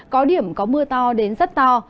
có điểm có mưa to đến rất to